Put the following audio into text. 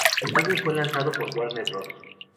El álbum fue lanzado por Warner Bros.